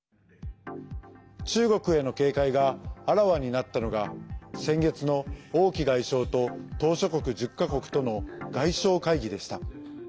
中国への警戒があらわになったのが先月の王毅外相と島しょ国１０か国との外相会議でした。